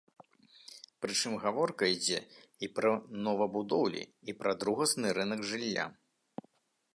Прычым гаворка ідзе і пра новабудоўлі, і пра другасны рынак жылля.